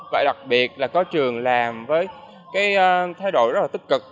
và đặc biệt là có trường làm với cái thay đổi rất là tích cực